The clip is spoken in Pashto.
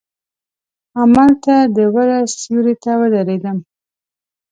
هملته د وره سیوري ته ودریدم.